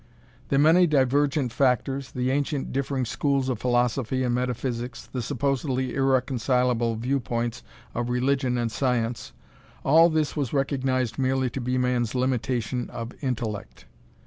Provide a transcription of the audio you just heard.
The many divergent factors, the ancient differing schools of philosophy and metaphysics, the supposedly irreconcilable viewpoints of religion and science all this was recognized merely to be man's limitation of intellect.